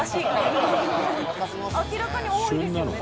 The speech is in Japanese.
明らかに多いですよね